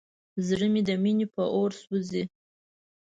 زړه د مینې په اور کې سوځي.